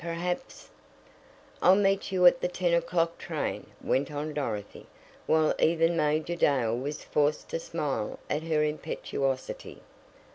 Perhaps " "I'll meet you at the ten o'clock train," went on Dorothy, while even Major Dale was forced to smile at her impetuosity.